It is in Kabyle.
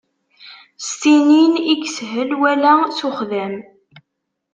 S tinin i yeshel wala s uxdam.